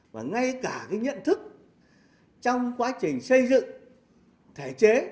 và ngay cả cái nhận thức trong quá trình xây dựng thể chế